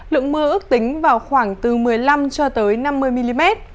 lượng mưa ước tính vào khoảng từ một mươi năm cho tới năm mươi mm